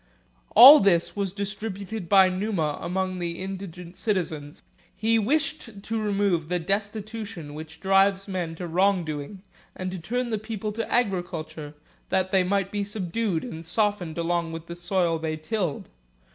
ΑἹ] this was distributed by Numa among the indigent citizens. He wished to remove the destitution which drives men to wrong doing, and to turn the people to agriculture, that they might be subdued and softened along with the soil they tilled.